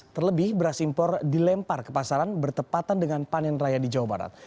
terlebih beras impor dilempar ke pasaran bertepatan dengan panen raya di jawa barat